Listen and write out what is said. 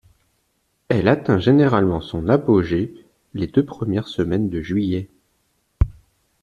Elle atteint généralement son apogée les deux premières semaines de juillet.